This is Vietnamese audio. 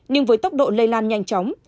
nhưng với tốc độ lây lan nhanh chóng